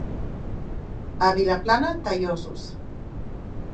A Vilaplana, teiosos.